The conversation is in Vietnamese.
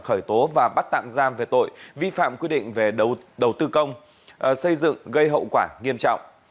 khởi tố và bắt tạm giam về tội vi phạm quy định về đầu tư công xây dựng gây hậu quả nghiêm trọng